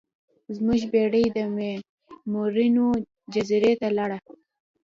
زموږ بیړۍ د میمونونو جزیرې ته لاړه.